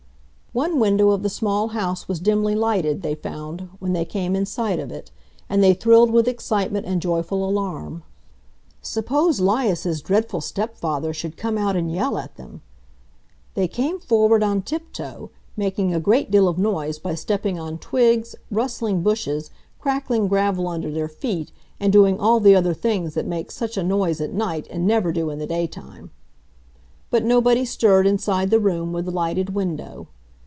One window of the small house was dimly lighted, they found, when they came in sight of it, and they thrilled with excitement and joyful alarm. Suppose 'Lias's dreadful stepfather should come out and yell at them! They came forward on tiptoe, making a great deal of noise by stepping on twigs, rustling bushes, crackling gravel under their feet and doing all the other things that make such a noise at night and never do in the daytime. But nobody stirred inside the room with the lighted window.